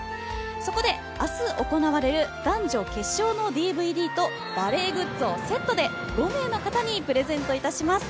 そこで、明日行われる男女決勝のＤＶＤとバレーグッズをセットで５名の方にプレゼントいたします。